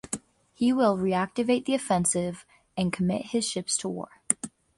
He will reactivate the offensive and commit his ships to war.